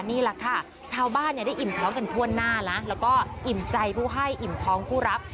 นี่แหละค่ะชาวบ้านเนี่ยได้อิ่มท้องกันทั่วหน้านะแล้วก็อิ่มใจผู้ให้อิ่มท้องผู้รับ